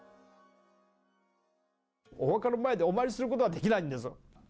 お墓の前でお参りすることができないんです。